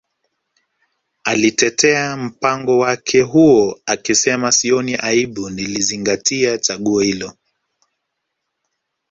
Alitetea mpango wake huo akisema Sioni aibu nilizingatia chaguo hilo